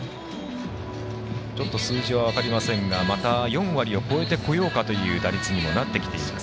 ちょっと数字は分かりませんがまた４割を超えてこようかという打率にもなってきています。